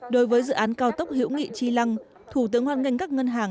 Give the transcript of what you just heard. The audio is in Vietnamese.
đối với dự án cao tốc hữu nghị tri lăng thủ tướng hoan nghênh các ngân hàng